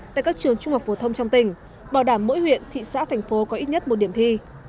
tại các trường trung học phổ thông trong tỉnh bảo đảm mỗi huyện thị xã thành phố có ít nhất một điểm thi